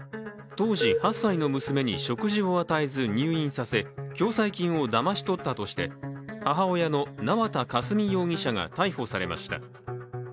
当時８歳の娘に食事を与えず入院させ共済金をだまし取ったとして母親の縄田佳純容疑者が逮捕されました。